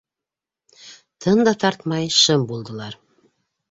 Тын да тартмай шым булдылар.